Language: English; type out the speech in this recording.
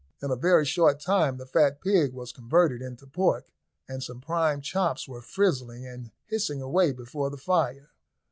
In a very short time the fat pig was converted into pork, and some prime chops were frizzling and hissing away before the fire.